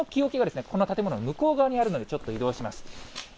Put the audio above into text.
その木おけがこの建物の向こう側にあるので、ちょっと移動します。